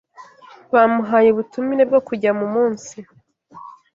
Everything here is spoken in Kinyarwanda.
bamuhaye ubutumire bwo kujya mu munsi